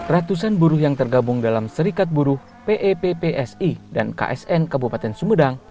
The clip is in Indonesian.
ratusan buruh yang tergabung dalam serikat buruh peppsi dan ksn kabupaten sumedang